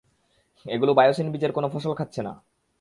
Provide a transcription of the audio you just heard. এগুলো বায়োসিন বীজের কোনো ফসল খাচ্ছে না।